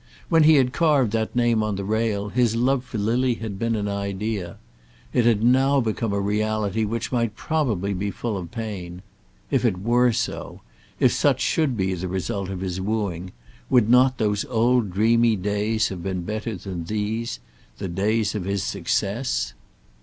When he had carved that name on the rail, his love for Lily had been an idea. It had now become a reality which might probably be full of pain. If it were so, if such should be the result of his wooing, would not those old dreamy days have been better than these the days of his success?